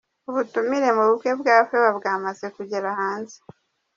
Ubutumire mu bukwe bwa Favor bwamaze kugera hanze.